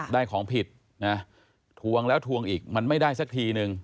ได้ของผิดนะทวงแล้วทวงอีกมันไม่ได้สักทีนึง